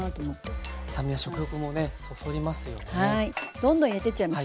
どんどん入れてっちゃいますよ。